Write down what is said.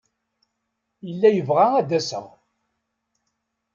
Yella yebɣa ad d-aseɣ.